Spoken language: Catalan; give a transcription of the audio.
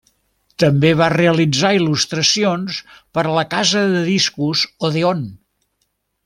També va realitzar il·lustracions per a la casa de discos Odèon.